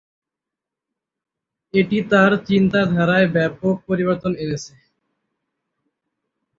এটি তার চিন্তাধারায় ব্যাপক পরিবর্তন এনেছে।